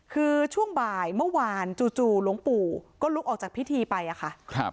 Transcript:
คือช่วงบ่ายเมื่อวานจู่หลวงปู่ก็ลุกออกจากพิธีไปอะค่ะ